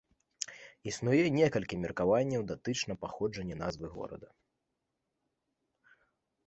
Існуе некалькі меркаванняў датычна паходжання назвы горада.